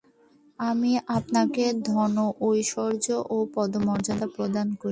আমি আপনাকে ধন ঐশ্বর্য ও পদমর্যাদা প্রদান করিব।